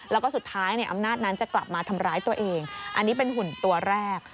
แล้วก็สุดท้ายในอำนาจนั้นจะกลับมาทำร้ายตัวเองอันนี้เป็นหุ่นตัวแรก